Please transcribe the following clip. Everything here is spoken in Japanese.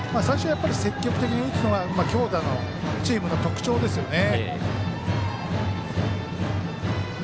積極的に打つのが強打のチームの特徴ですよね。